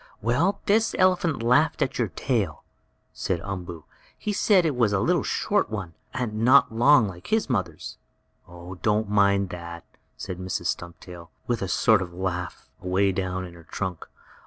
"Well, this elephant laughed at your tail," said Umboo. "He said it was a little short one, and not long like his mother's!" "Don't mind that!" said Mrs. Stumptail, with a sort of laugh away down in her trunk.